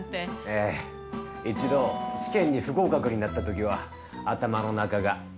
ええ一度試験に不合格になった時は頭の中が。